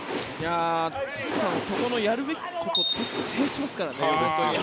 そこのやるべきところを徹底しますからね。